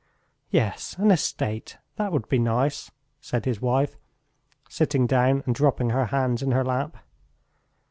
"Yes, an estate, that would be nice," said his wife, sitting down and dropping her hands in her lap.